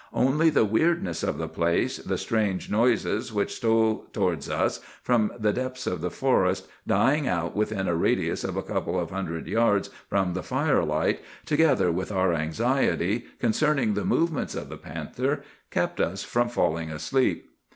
Only the weirdness of the place, the strange noises which stole towards us from the depths of the forest, dying out within a radius of a couple of hundred yards from the firelight, together with our anxiety concerning the movements of the panther, kept us from falling asleep.